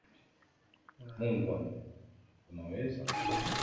Mungu wangu unaweza